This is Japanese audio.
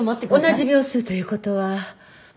同じ秒数という事は。